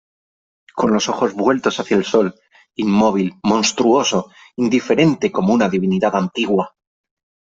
con los ojos vueltos hacia el sol , inmóvil , monstruoso , indiferente como una divinidad antigua .